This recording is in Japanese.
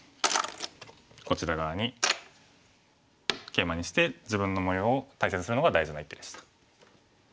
こちら側にケイマにして自分の模様を大切にするのが大事な一手でした。